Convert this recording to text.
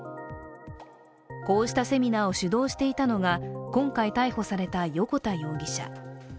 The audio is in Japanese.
こうしたセミナーを主導していたのが今回逮捕された横田容疑者。